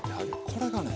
これがね